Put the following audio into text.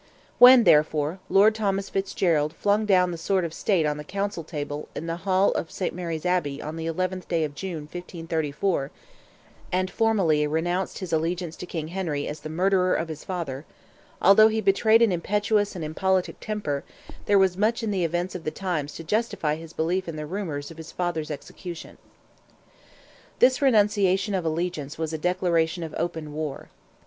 When, therefore, Lord Thomas Fitzgerald flung down the sword of State on the Council table, in the hall of St. Mary's Abbey, on the 11th day of June, 1534, and formally renounced his allegiance to King Henry as the murderer of his father, although he betrayed an impetuous and impolitic temper, there was much in the events of the times to justify his belief in the rumours of his father's execution. This renunciation of allegiance was a declaration of open war.